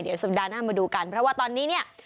เดี๋ยวสัปดาห์หน้ามาดูกันเพราะว่าตอนนี้เนี่ย